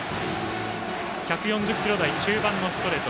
１４０キロ台中盤のストレート。